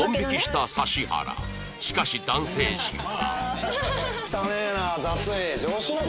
しかし男性陣は